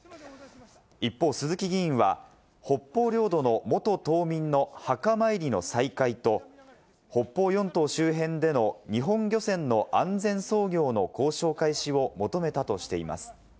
一方、鈴木議員は北方領土の元島民の墓参りの再開と、北方四島周辺での日本漁船の安全操業の交渉開始を求めたとしています。